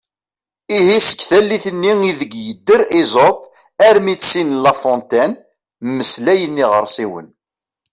Ihi seg tallit-nni ideg yedder Esope armi d tin n La Fontaine “mmeslayen iɣersiwen”.